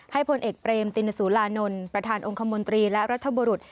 พลเอกเปรมตินสุรานนท์ประธานองค์คมนตรีและรัฐบุรุษ